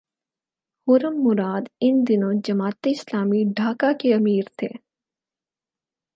خرم مراد ان دنوں جماعت اسلامی ڈھاکہ کے امیر تھے۔